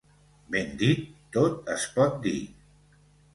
Ben dit tot es pot dir.